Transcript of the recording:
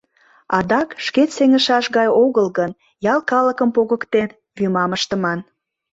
Адак, шкет сеҥышаш гай огыл гын, ял калыкым погыктен, вӱмам ыштыман.